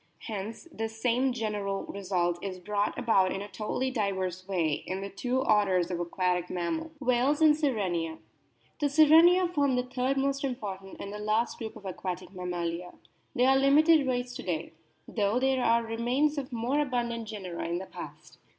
Hence the same general result is brought about in a totally diverse way in the two orders of aquatic mammals. WHALES AND SIRENIA The Sirenia form the third most important and the last group of aquatic mammalia. They are a limited race to day, though there are remains of more abundant genera in the past.